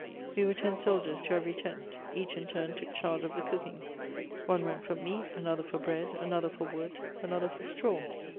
We were ten soldiers to every tent; each in turn took charge of the cooking: one went for meat, another for bread, another for wood, another for straw.